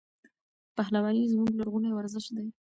پهلواني زموږ لرغونی ورزش دی.